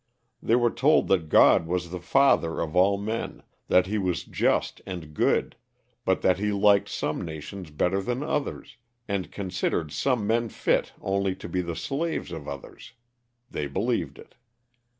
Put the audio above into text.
They were told that God was the father of all men; that he was just and good; but that he liked some nations better than others; and considered some men fit only to be the slaves of others. They believed it.